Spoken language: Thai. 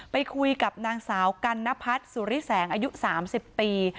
ไปคุยกับนางสาวกันนพัฒน์สุริแสงอายุ๓๐ปี